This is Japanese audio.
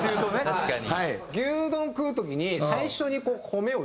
確かに。